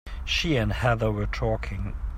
She and Heather were talking.